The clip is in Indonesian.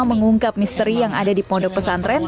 mengungkap misteri yang ada di pondok pesantren